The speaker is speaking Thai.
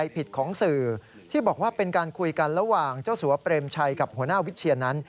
เป็นการคุยกันระหว่างเจ้าสัวปเตรมชัยกับหัวหน้าวิทย์เชียนนั้น